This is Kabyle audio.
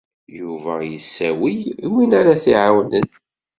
Yuba yessawel i win ara t-iɛawnen.